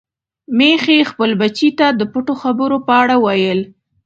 ميښې خپل بچي ته د پټو خبرو په اړه ویل.